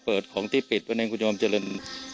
เปิดของที่ปิดไปในคุณยมเจริญ